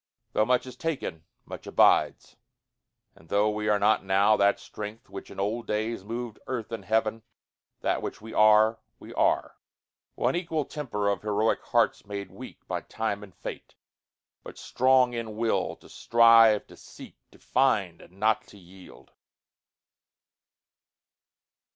Tho' much is taken, much abides; and tho'We are not now that strength which in old daysMov'd earth and heaven, that which we are, we are:One equal temper of heroic hearts, Made weak by time and fate, but strong in willTo strive, to seek, to find, and not to yield.